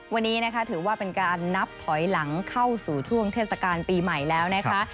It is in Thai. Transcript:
วันนี้นะคะถือว่าเป็นการนับถอยหลังเข้าสู่ช่วงเทศกาลปีใหม่แล้วนะคะ